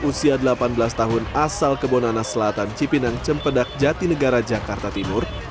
usia delapan belas tahun asal kebonana selatan cipinang cempedak jati negara jakarta timur